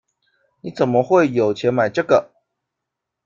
你怎么会有钱买这个？